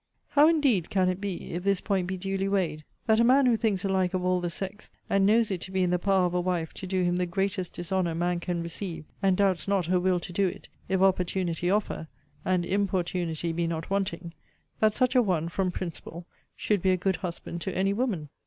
How, indeed, can it be, if this point be duly weighed, that a man who thinks alike of all the sex, and knows it to be in the power of a wife to do him the greatest dishonour man can receive, and doubts not her will to do it, if opportunity offer, and importunity be not wanting: that such a one, from principle, should be a good husband to any woman?